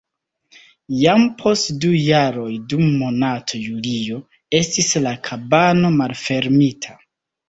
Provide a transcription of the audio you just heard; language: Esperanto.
Jam post du jaroj dum monato julio estis la kabano malfermita.